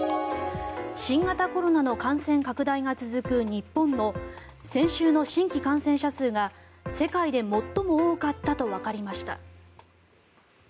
新型コロナの感染拡大が続く日本の先週の新規感染者数が世界で最も多かったとわかりました。